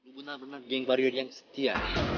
lo benar benar geng bario yang setia